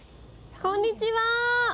こんにちは！